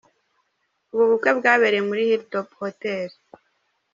Ubu bukwe bwabereye muri Hill Top Hotel.